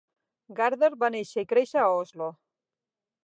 Gaarder va néixer i créixer a Oslo.